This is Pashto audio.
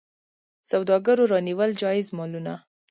سوداګرو رانیول جایز مالونه.